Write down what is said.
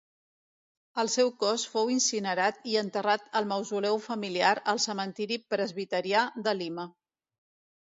El seu cos fou incinerat i enterrat al mausoleu familiar al cementiri presbiterià de Lima.